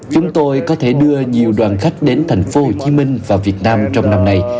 chúng tôi có thể đưa nhiều đoàn khách đến thành phố hồ chí minh và việt nam trong năm này